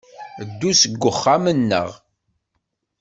Ddu seg wexxam-nneɣ.